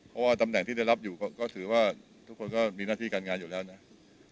เพราะว่าตำแหน่งที่ได้รับอยู่ก็มีเกิดหน้าที่กรรงานอยู่แล้วเนาะ